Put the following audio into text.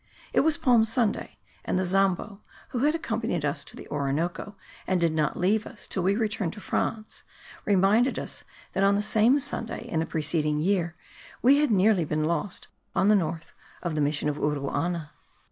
It was Palm Sunday and the Zambo, who had accompanied us to the Orinoco and did not leave us till we returned to France, reminded us that on the same Sunday in the preceding year, we had nearly been lost on the north of the mission of Uruana.